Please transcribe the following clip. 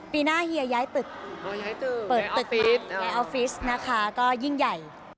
ปีหน้าเฮียย้ายตึกเปิดตึกย้ายออฟฟิศนะคะก็ยิ่งใหญ่